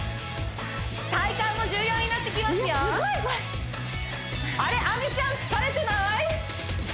体幹も重要になってきますよいやすごいこれあれっ亜美ちゃん疲れてない？